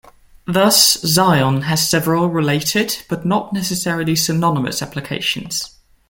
Thus, "Zion" has several related but not necessarily synonymous applications.